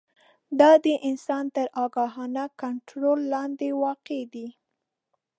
دا د انسان تر آګاهانه کنټرول لاندې واقع دي.